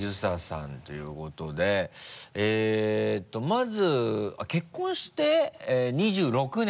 まず結婚して２６年？